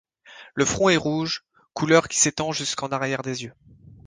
Le front est rouge, couleur qui s'étend jusqu'en arrière des yeux.